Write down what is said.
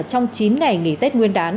trong chín ngày nghỉ tết nguyên đán